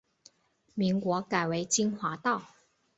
民国改为金华道。